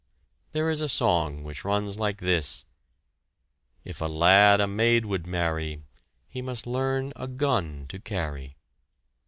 There is a song which runs like this: If a lad a maid would marry He must learn a gun to carry.